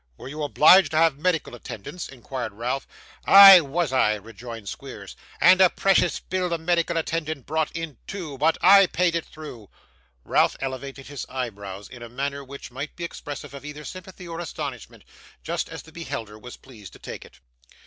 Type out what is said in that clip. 'Were you obliged to have medical attendance?' inquired Ralph. 'Ay, was I,' rejoined Squeers, 'and a precious bill the medical attendant brought in too; but I paid it though.' Ralph elevated his eyebrows in a manner which might be expressive of either sympathy or astonishment just as the beholder was pleased to take it.